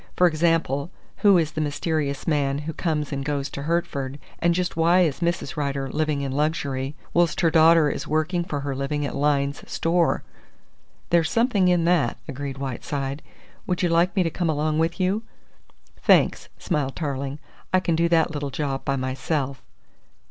For example, who is the mysterious man who comes and goes to Hertford, and just why is Mrs. Rider living in luxury whilst her daughter is working for her living at Lyne's Store?" "There's something in that," agreed Whiteside. "Would you like me to come along with you?" "Thanks," smiled Tarling, "I can do that little job by myself."